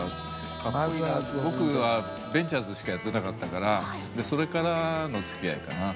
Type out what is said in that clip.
僕はベンチャーズしかやってなかったからそれからのつきあいかな。